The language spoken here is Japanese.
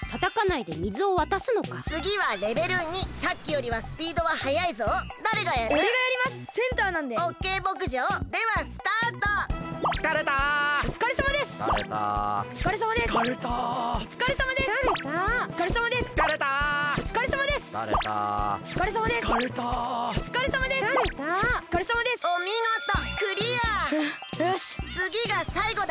つぎがさいごだ。